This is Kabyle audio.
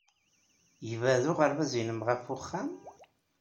Yebɛed uɣerbaz-nnem ɣef wexxam?